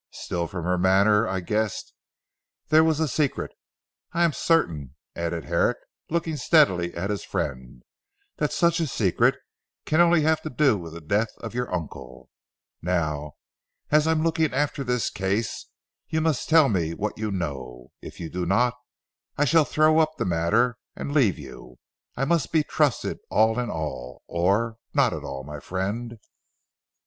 Still from her manner I guessed there was a secret. I am certain," added Herrick looking steadily at his friend, "that such a secret can only have to do with the death of your uncle. Now, as I am looking after this case you must tell me what you know. If you do not, I shall throw up the matter and leave you. I must be trusted all in all, or not at all, my friend."